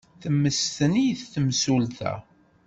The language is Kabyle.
Temmesten-it temsulta.